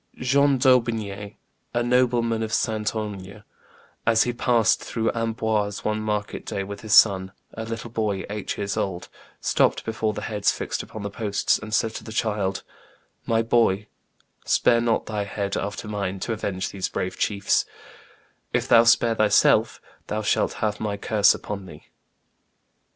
John d'Aubigne, a nobleman of Saintonge, as he passed through Amboise one market day with his son, a little boy eight years old, stopped before the heads fixed upon the posts, and said to the child, "My boy, spare not thy head, after mine, to avenge these brave chiefs; if thou spare thyself, thou shalt have my curse upon thee."